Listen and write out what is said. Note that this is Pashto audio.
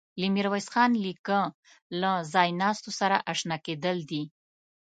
له میرویس خان نیکه له ځایناستو سره آشنا کېدل دي.